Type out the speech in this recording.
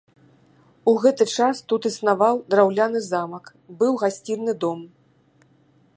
У гэты час тут існаваў драўляны замак, быў гасціны дом.